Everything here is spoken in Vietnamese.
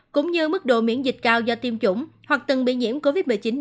cũng như mức độ miễn dịch cao do tiêm chủng hoặc từng bị nhiễm covid một mươi chín